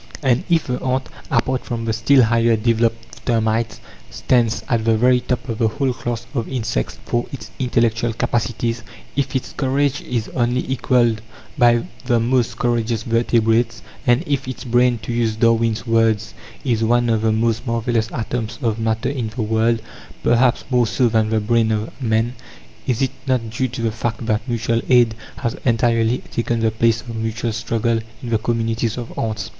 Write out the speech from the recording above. And if the ant apart from the still higher developed termites stands at the very top of the whole class of insects for its intellectual capacities; if its courage is only equalled by the most courageous vertebrates; and if its brain to use Darwin's words "is one of the most marvellous atoms of matter in the world, perhaps more so than the brain of man," is it not due to the fact that mutual aid has entirely taken the place of mutual struggle in the communities of ants?